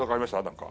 何か。